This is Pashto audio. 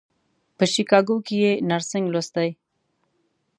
په شیکاګو کې یې نرسنګ لوستی.